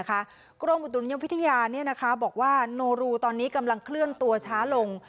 กรมอุตุนิยมวิทยาบอกว่าโนรูตอนนี้กำลังเคลื่อนตัวช้าลง